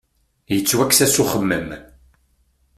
Yettwakkes-as uxemmem.